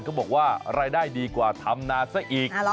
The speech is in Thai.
เขาบอกว่ารายได้ดีกว่าทำนาซะอีก